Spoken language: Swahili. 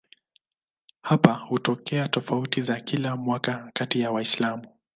Hapa hutokea tofauti za kila mwaka kati ya Waislamu.